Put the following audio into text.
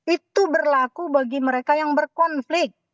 itu berlaku bagi mereka yang berkonflik